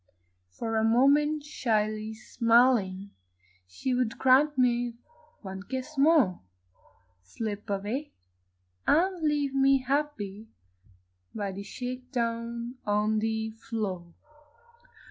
For a moment shyly smiling, She would grant me one kiss more Slip away and leave me happy By the shake down on the floor.